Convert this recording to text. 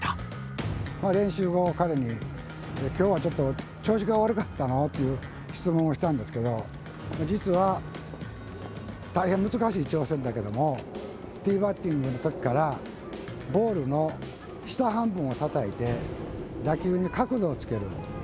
練習後彼に「今日はちょっと調子が悪かったの？」っていう質問をしたんですけど実は大変難しい挑戦だけどもティーバッティングの時からつまりホームランの打球ですね。